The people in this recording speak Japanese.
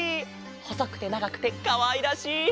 ほそくてながくてかわいらしい！